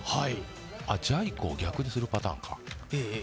ジャイ子を逆にするパターンか。